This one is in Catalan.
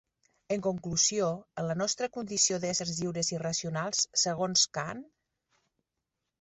En conclusió, en la nostra condició d'éssers lliures i racionals, segons Kant...